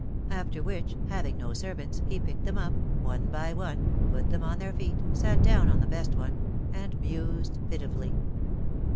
After which, having no servants, he picked them up, one by one, put them on their feet, sat down on the best one, and mused pitifully.